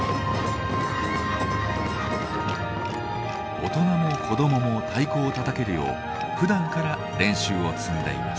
大人も子どもも太鼓をたたけるようふだんから練習を積んでいます。